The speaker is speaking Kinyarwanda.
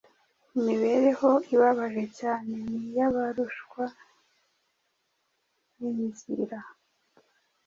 Imibereho ibabaje cyane ni iy’abarushwa n’inzira